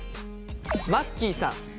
マッキーさん。